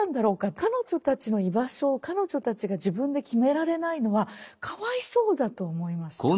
彼女たちの居場所を彼女たちが自分で決められないのはかわいそうだと思いました。